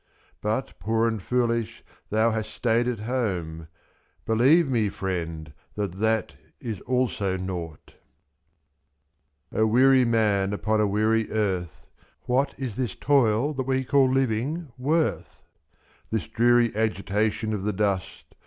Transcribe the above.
'^?.But, poor and foolish, thou hast stayed at home, Believe me, friend, that that is also nought ! O weary man upon a weary earth. What is this toil that we call living worth? / f<?This dreary agitation of the dust.